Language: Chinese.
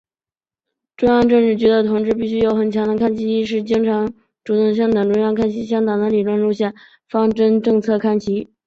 中央政治局的同志必须有很强的看齐意识，经常、主动向党中央看齐，向党的理论和路线方针政策看齐。